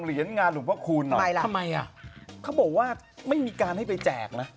เหรียญงานหลวงพระคุณทำไมล่ะทำไมอ่ะเขาบอกว่าไม่มีการให้ไปแจกนะ